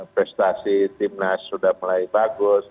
prestasi timnas sudah mulai bagus